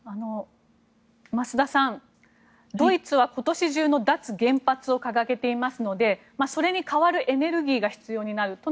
増田さん、ドイツは今年中の脱原発を掲げていますのでそれに代わるエネルギーが必要になる。